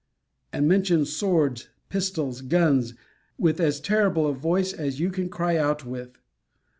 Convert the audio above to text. And mention swords, pistols, guns, with as terrible a voice as you can cry out with.